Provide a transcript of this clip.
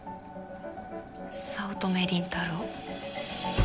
早乙女倫太郎。